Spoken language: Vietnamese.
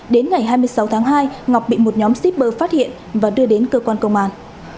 đến ngày hai mươi sáu tháng hai ngọc bị một nhóm shipper phát hiện và đưa đến cơ quan công an